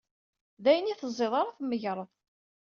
D ayen i teẓẓiḍ ara d-tmegreḍ.